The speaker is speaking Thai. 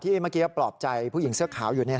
ที่มาเกียร์ปลอบใจผู้หญิงเสื้อขาวอยู่